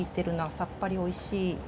さっぱりおいしい。